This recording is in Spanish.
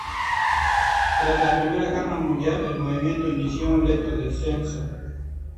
Tras la Primera Guerra Mundial, el movimiento inició un lento descenso.